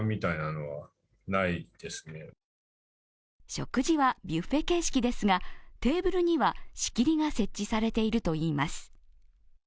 食事はビュッフェ形式ですが、テーブルには仕切りが設置されているといいます。